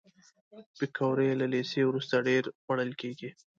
پکورې له لیسې وروسته ډېرې خوړل کېږي